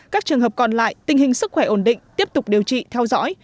các trường hợp còn lại tình hình sức khỏe ổn định tiếp tục điều trị theo dõi